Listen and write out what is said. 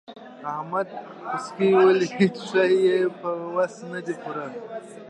احمد پسکۍ ولي؛ هيڅ شی يې په وس نه دی پوره.